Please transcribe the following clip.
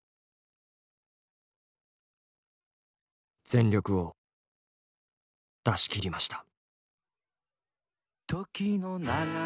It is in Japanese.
全力を出しきりました。